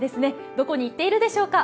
どこに行っているでしょうか。